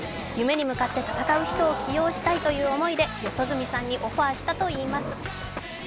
夢に向かって戦う人を起用したいという思いで四十住さんにオファーしたといいます。